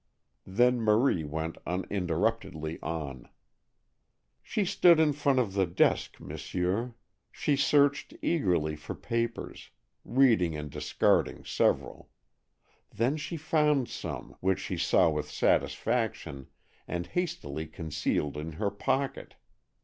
Then Marie went uninterruptedly on. "She stood in front of the desk, m'sieur; she searched eagerly for papers, reading and discarding several. Then she found some, which she saw with satisfaction, and hastily concealed in her pocket.